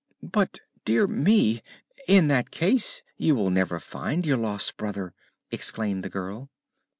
"But dear me! in that case you will never find your lost brother!" exclaimed the girl.